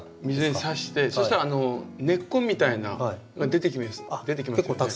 水にさしてそしたら根っこみたいなのが出てきますよね。